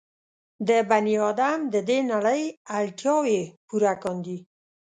د بني ادم د دې نړۍ اړتیاوې پوره کاندي.